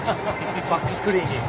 バックスクリーンに。